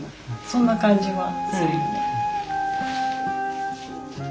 そんな感じはするよね。